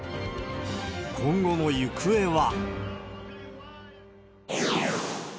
今後の行方は。